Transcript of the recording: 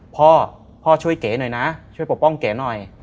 พ่อพ่อช่วยเก๋หน่อยนะช่วยปกป้องเก๋หน่อย